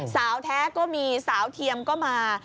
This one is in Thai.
สาวแท้ก็มีสาวเทียมก็มา